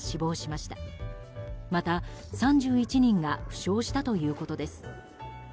また３１人が負傷したということです。